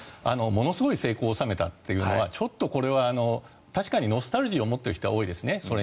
ものすごい成功を収めたというのはちょっとこれは確かにソ連にノスタルジーを持っている人は多いですね。